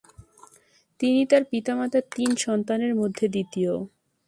তিনি তার পিতামাতার তিন সন্তানের মধ্যে দ্বিতীয়।